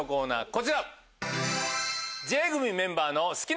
こちら！